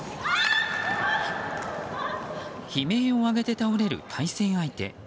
悲鳴を上げて倒れる対戦相手。